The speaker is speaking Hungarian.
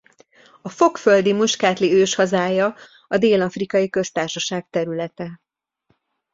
A fokföldi muskátli őshazája a Dél-afrikai Köztársaság területe.